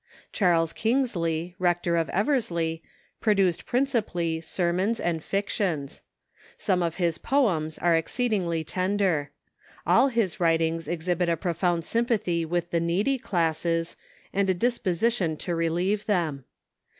Charles Kingsley, Rector of Eversley, produced principally sermons and fictions. Some of his poems are exceedingly tender. All his writings exhibit a profound sympathy with the needy classes and a disposition to relieve them.